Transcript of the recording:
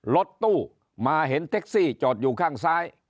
รถตู้มาเห็นเท็กซี่จอดอยู่ข้างซ้าย